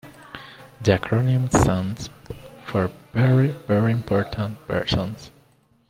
The acronym stands for "very, very important persons".